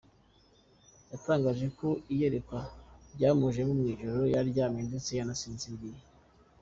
Yatangaje ko iyerekwa ryamujemo mu ijoro, yaryamye ndetse yanasinziriye.